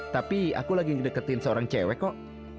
tapi aku lagi ngedeketin seorang cewek kok